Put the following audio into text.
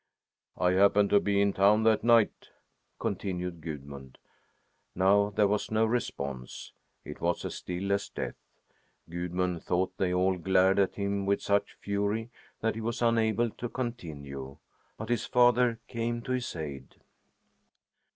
"I happened to be in town that night," continued Gudmund. Now there was no response. It was as still as death. Gudmund thought they all glared at him with such fury that he was unable to continue. But his father came to his aid.